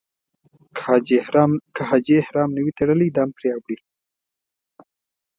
که حاجي احرام نه وي تړلی دم پرې اوړي.